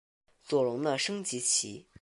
左龙的升级棋。